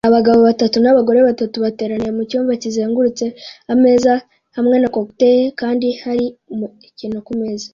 Abagabo batatu n'abagore batatu bateraniye mucyumba kizengurutse ameza hamwe na cocktail kandi hari umukino kumeza